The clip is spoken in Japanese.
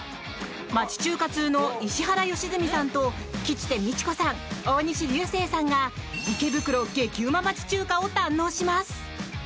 町中華ツウの石原良純さんと吉瀬美智子さん、大西流星さんが池袋、激うま町中華を堪能します。